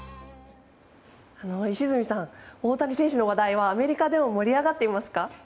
石角さん大谷選手の話題はアメリカでも盛り上がっていますか？